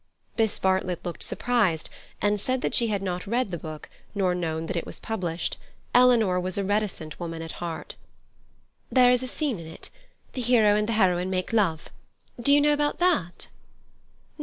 Miss Bartlett looked surprised, and said that she had not read the book, nor known that it was published; Eleanor was a reticent woman at heart. "There is a scene in it. The hero and heroine make love. Do you know about that?"